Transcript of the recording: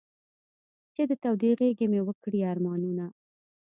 چې د تودې غېږې مې و کړې ارمانونه.